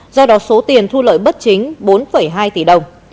do đó số tiền thu lợi bất chính bốn hai tỷ đồng